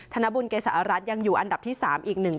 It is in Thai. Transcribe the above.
ธนบุญเกษารัฐยังอยู่อันดับที่๓อีกหนึ่ง